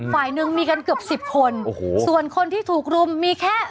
ฝ่ายนึงมีกันเกือบ๑๐คนส่วนคนที่ถูกรุมมีแค่